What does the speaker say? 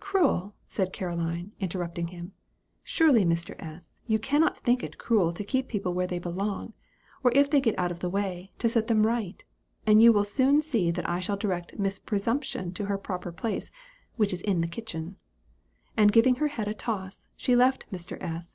"Cruel!" said Caroline, interrupting him, "surely, Mr. S., you cannot think it cruel to keep people where they belong; or if they get out of the way, to set them right; and you will soon see that I shall direct Miss Presumption to her proper place, which is in the kitchen," and giving her head a toss, she left Mr. S.